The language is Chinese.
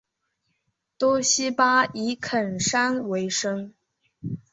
多希巴以垦山为生。